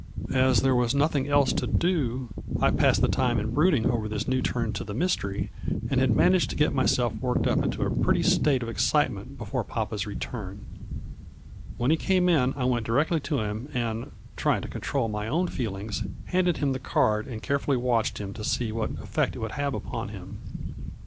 " As there was nothing else to do, I passed the time in brooding over this new turn to the mystery, and had managed to get myself worked up into a pretty state of excitement before papa's return. When he came in I went di rectly to him and, trying to control my own feelings, handed him the card and carefully A FLURRY IN DIAMONDS . 115 watched him to see what effect it would have upon him.